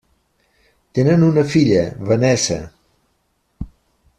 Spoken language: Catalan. Tenen una filla, Vanessa.